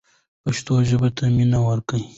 پښتو ژبې ته مینه ورکړئ.